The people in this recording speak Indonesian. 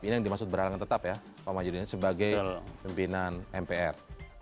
ini yang dimaksud berhalangan tetap ya pak mahyudin sebagai pimpinan mpr